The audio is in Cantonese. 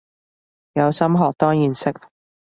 有心學當然識